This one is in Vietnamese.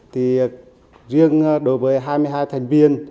thì riêng đối với hai mươi hai thành viên tổ cũng cảm thấy rất là khó khăn